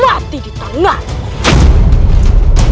tidak adil yang kamu ilahkan itu